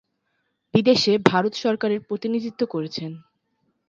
বিদেশে ভারত সরকারের প্রতিনিধিত্ব করেছেন।